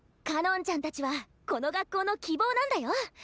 かのんちゃんたちはこの学校の希望なんだよ。